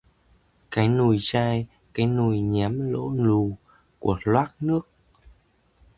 Cái nùi chai, cái nùi nhém lỗ lù của loác nước